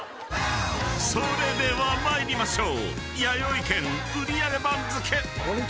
［それでは参りましょう］